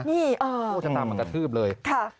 ก็จะตามมากระทืบเลย